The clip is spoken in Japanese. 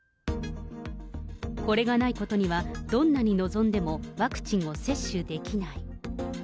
これがないことには、どんなに望んでも、ワクチンを接種できない。